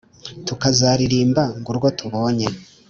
Tukazaririmba ngo urwo tubonye